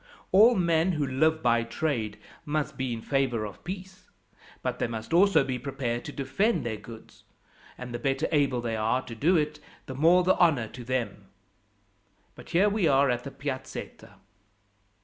All men who live by trade must be in favour of peace; but they must also be prepared to defend their goods, and the better able they are to do it, the more the honour to them. "But here we are at the Piazzetta."